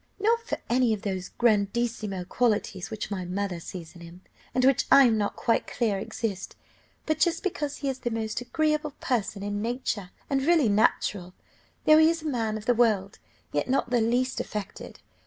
"Not for any of those grandissimo qualities which my mother sees in him, and which I am not quite clear exist; but just because he is the most agreeable person in nature; and really natural; though he is a man of the world, yet not the least affected.